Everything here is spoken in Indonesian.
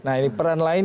nah ini peran lain